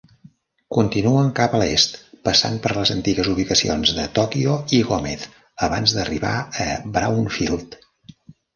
Continuen cap a l'est passant per les antigues ubicacions de Tokio i Gómez abans d'arribar a Brownfield.